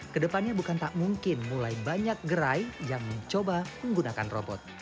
kedepannya bukan tak mungkin mulai banyak gerai yang mencoba menggunakan robot